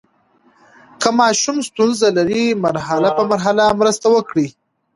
که ماشوم ستونزه لري، مرحله په مرحله مرسته وکړئ.